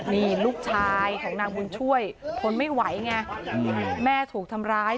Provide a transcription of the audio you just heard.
นี่ลูกชายของนางบุญช่วยทนไม่ไหวไงแม่ถูกทำร้าย